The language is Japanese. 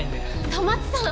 戸松さん。